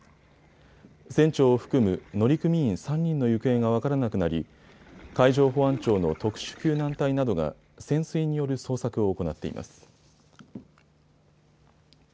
船長を含む乗組員３人の行方が分からなくなり海上保安庁の特殊救難隊などが潜水による捜索を行っています。